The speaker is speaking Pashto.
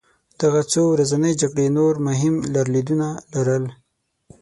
دغه څو ورځنۍ جګړې نور مهم لرلېدونه لرل.